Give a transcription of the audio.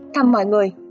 thăm mọi người